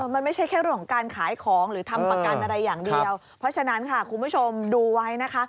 มันไม่ใช่แค่เรื่องของการขายของหรือทำประกันอะไรอย่างเดียวเพราะฉะนั้นค่ะคุณผู้ชมดูไว้นะคะ